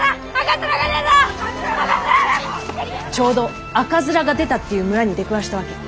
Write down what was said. ちょうど赤面が出たっていう村に出くわしたわけ。